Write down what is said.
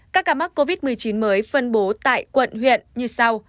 các ca mắc covid một mươi chín mới phân bố tại quận huyện như sau